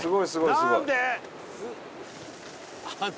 何で！？